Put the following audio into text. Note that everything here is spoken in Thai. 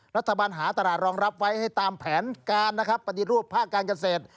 รัฐบาลหาตลาดรองรับไว้ให้ตามแผนการนะครับปฏิรูปภาคการเกษตร